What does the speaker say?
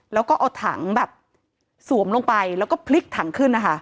แล้วก็เอาถังแบบสวมลงไปแล้วก็พลิกถังขึ้นนะคะ